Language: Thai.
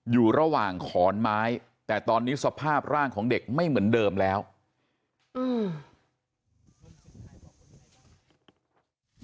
อยู่ระหว่างขอนไม้แต่ตอนนี้สภาพร่างของเด็กไม่เหมือนเดิมแล้วอืม